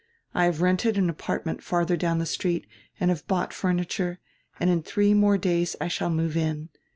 I have rented an apartment farther down the street and have bought furniture, and in three more days I shall move in.